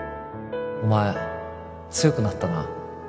お前強くなったな